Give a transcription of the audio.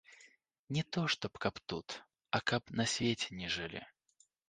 Не то што каб тут, а каб на свеце не жылі.